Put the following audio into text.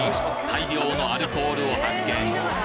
大量のアルコールを発見！